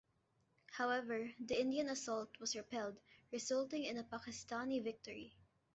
However, the Indian assault was repelled, resulting in a Pakistani victory.